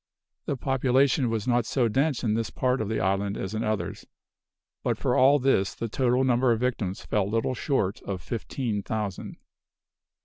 The population was not so dense in this part of the island as in others, but for all this the total number of victims fell little short of fifteen thousand.